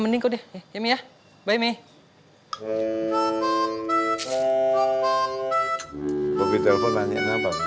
mending kok deh ya mie bye mie